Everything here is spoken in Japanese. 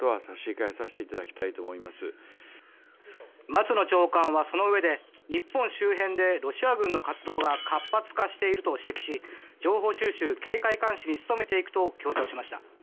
松野長官は、そのうえで日本周辺でロシア軍の活動が活発化していると指摘し情報収集・警戒監視に努めていくと強調しました。